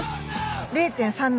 ０．３７！